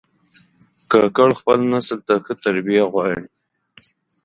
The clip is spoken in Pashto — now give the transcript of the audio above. کاکړ خپل نسل ته ښه تربیه غواړي.